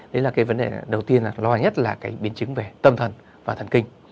đấy là cái vấn đề đầu tiên là lo nhất là cái biến chứng về tâm thần và thần kinh